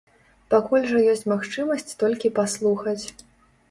Пакуль жа ёсць магчымасць толькі паслухаць.